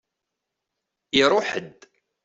Iṛuḥ-d.